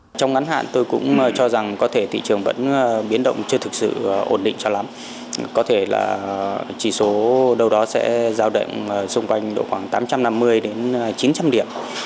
mặc dù sau những nỗ lực hồi phục yếu ớt của thị trường lực cung giá thấp tiếp tục được tung vào đã kéo vn index mất luôn mốc chín trăm linh điểm